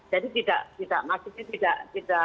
jadi tidak masih tidak